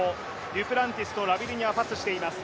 デュプランティスとラビレニはパスしています。